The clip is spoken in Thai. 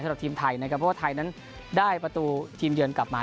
สำหรับทีมไทยนะครับเพราะว่าไทยนั้นได้ประตูทีมเยือนกลับมา